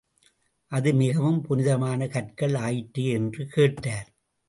அது மிகவும் புனிதமான கற்கள் ஆயிற்றே என்று கேட்டார்.